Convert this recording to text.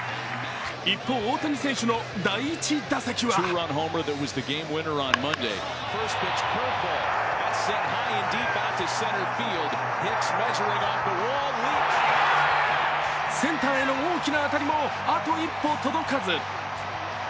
一方、大谷選手の第１打席はセンターへの大きな当たりも、あと一歩届かず。